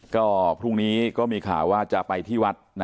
ก็พรุ่งนี้ก็มีข่าวว่าจะไปที่วัด